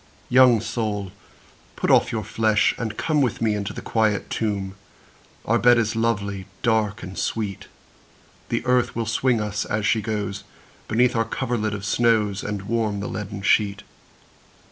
II. Young soul put off your flesh, and come With me into the quiet tomb, Our bed is lovely, dark, and sweet; The earth will swing us, as she goes, Beneath our coverlid of snows, And the warm leaden sheet.